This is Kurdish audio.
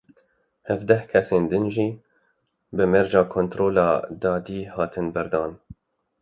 Hevdeh kesên din jî bi mercê kontrola dadî hatin berdan.